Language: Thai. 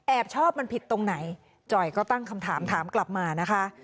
ชอบมันผิดตรงไหนจ่อยก็ตั้งคำถามถามกลับมานะคะ